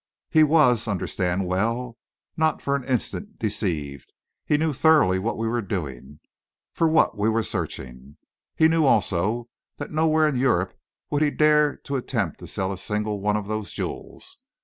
"He was, understand well, not for an instant deceived. He knew thoroughly what we were doing, for what we were searching. He knew also that nowhere in Europe would he dare to attempt to sell a single one of those jewels.